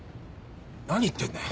何言ってんだよ。